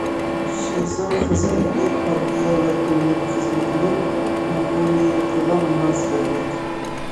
شىزاڭ خىزمىتى پارتىيە ۋە دۆلەت خىزمىتىنىڭ ئومۇمىيلىقىغا مۇناسىۋەتلىك.